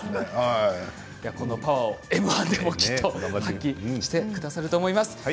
このパワーをＭ−１でも発揮してくださると思います。